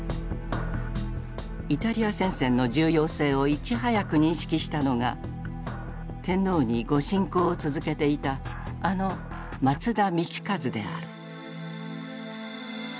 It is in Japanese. イタリア戦線の重要性をいち早く認識したのが天皇に御進講を続けていたあの松田道一である。